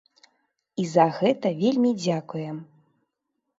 І за гэта вельмі дзякуем!